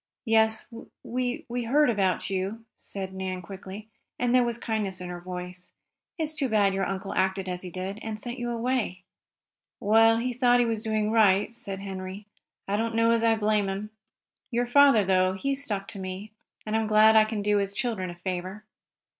"Yes, we we heard about you," said Nan quickly, and there was kindness in her voice. "It's too bad your uncle acted as he did, and sent you away." "Well, he thought he was doing right," said Henry. "I don't know as I blame him. Your father, though, he stuck to me, and I'm glad I can do his children a favor."